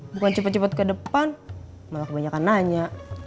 bukan cepet cepet ke depan malah kebanyakan nanya